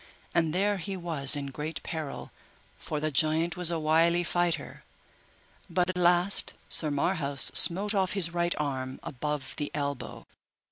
And there he was in great peril, for the giant was a wily fighter, but at last Sir Marhaus smote off his right arm above the elbow.